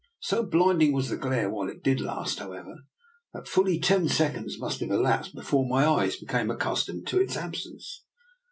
So blinding was the glare while it did last, however, that fully ten seconds must have elapsed before my eyes became accustomed to its absence.